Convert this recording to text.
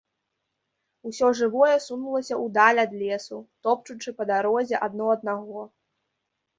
Усё жывое сунулася ў даль ад лесу, топчучы па дарозе адно аднаго.